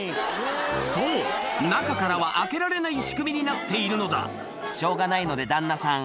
そう中からは開けられない仕組みになっているのだしょうがないので旦那さん